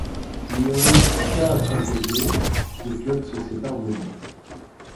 Il ne réussit pas à s'imposer, le club se sépare de lui.